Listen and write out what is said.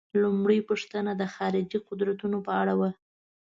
لومړۍ پوښتنه د خارجي قدرتونو په اړه وه.